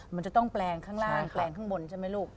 มันจะต้องแปลงข้างล่างแปลงข้างบนใช่ไหมลูก